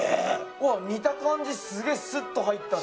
うわ見た感じすげぇすっと入ったね。